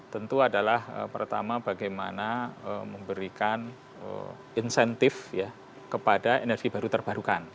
tentu adalah pertama bagaimana memberikan insentif kepada energi baru terbarukan